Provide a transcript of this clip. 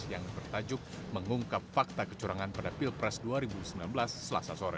yang bertajuk mengungkap fakta kecurangan pada pilpres dua ribu sembilan belas selasa sore